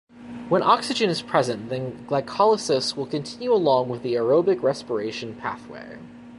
When oxygen is present then glycolysis will continue along the aerobic respiration pathway.